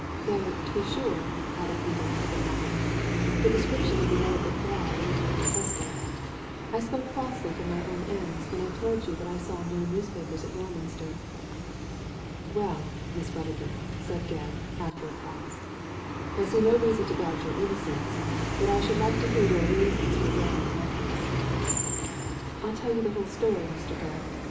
Though, to be sure," added Edith, with a nod, "the description of the Yellow Boudoir would have made me suspect. I spoke falsely for my own ends when I told you that I saw no newspapers at Norminster." "Well, Miss Wedderburn," said Gebb, after a pause, "I see no reason to doubt your innocence, but I should like to hear your reasons for getting the necklace/* "I'll tell you the whole story, Mn Gebb.